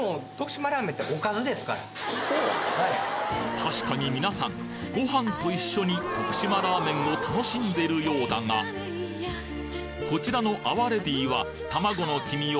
確かに皆さんご飯と一緒に徳島ラーメンを楽しんでるようだがこちらの阿波レディーは卵の黄身をバラ肉に絡めると